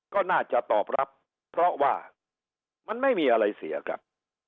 ก็น่าจะตอบรับเพราะว่ามันไม่มีอะไรเสียครับ